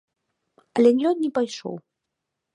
Але ён не пайшоў.